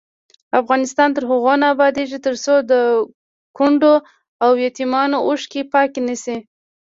افغانستان تر هغو نه ابادیږي، ترڅو د کونډو او یتیمانو اوښکې پاکې نشي.